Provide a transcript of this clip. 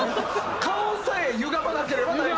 顔さえゆがまなければ大丈夫。